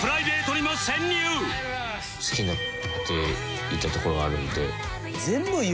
好きになっていったところがあるので。